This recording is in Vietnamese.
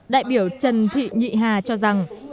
đại biểu trần thị nhị hà cho rằng